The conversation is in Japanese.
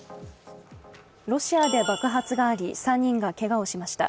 ロシアで爆発があり３人がけがをしました。